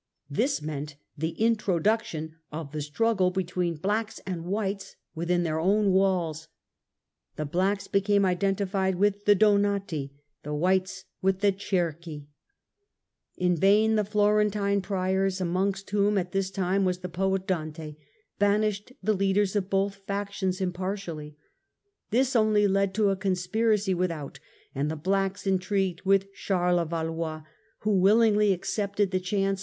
This meant the introduction of the struggle between Blacks and Whites within their own walls ; the Blacks became identified with the Donati, the Whites with the Cerchi. In vain the Florentine Priors, amongst whom at this time was the poet Dante, banished the leaders of both factions impartially : this only led to conspiracy without, and the Blacks intrigued with Charles of Valois, who willingly accepted the chance Charles of